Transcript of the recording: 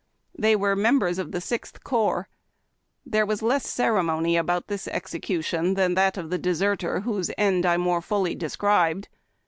They were members of the Sixth Corps. There was less ceremony about this execution than that of the deserter, whose end I more fully described.